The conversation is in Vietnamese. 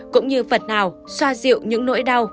cũng như vật nào xoa dịu những nỗi đau